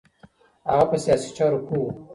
هغه په سیاسی چارو پوه و